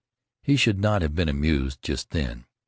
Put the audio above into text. He should not have been amused just then.